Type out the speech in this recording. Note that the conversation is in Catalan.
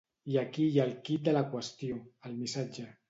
I aquí hi ha el quid de la qüestió: el missatge.